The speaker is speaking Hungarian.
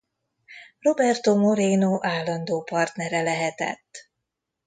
Roberto Moreno állandó partnere lehetett.